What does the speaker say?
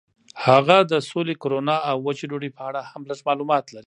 هغه د سولې، کرونا او وچې ډوډۍ په اړه هم لږ معلومات لري.